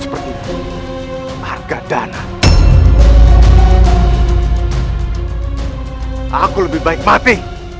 baiklah kalau itu keinginanmu